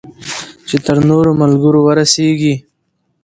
چې تر نورو ملګرو ورسیږي.